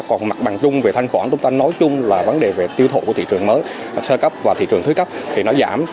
còn mặt bằng chung về thanh khoản chúng ta nói chung là vấn đề về tiêu thụ của thị trường mới sơ cấp và thị trường thứ cấp thì nó giảm